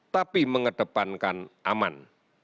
tapi mengedepankan aman